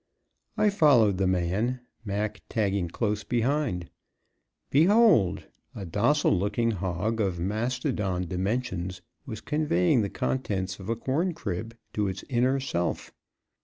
I followed the man, Mac tagging close behind. Behold! A docile looking hog of mastodon dimensions was conveying the contents of a corn crib to its inner self.